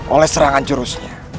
oleh serangan jurusnya